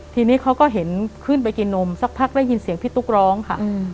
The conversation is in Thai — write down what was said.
ทีนี้เขาก็เห็นขึ้นไปกินนมสักพักได้ยินเสียงพี่ตุ๊กร้องค่ะ